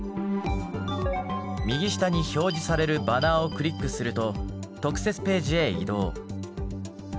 右下に表示されるバナーをクリックすると特設ページへ移動。